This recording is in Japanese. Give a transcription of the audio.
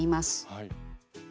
はい。